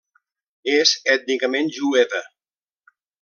És ètnicament jueva.